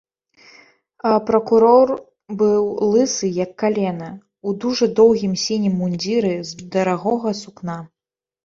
А пракурор быў лысы, як калена, у дужа доўгім сінім мундзіры з дарагога сукна.